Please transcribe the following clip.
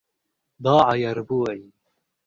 ضاع يربوعي.